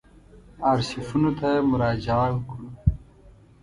آرشیفونو ته مراجعه وکړو.